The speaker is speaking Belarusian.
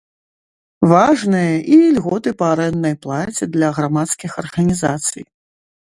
Важныя і льготы па арэнднай плаце для грамадскіх арганізацый.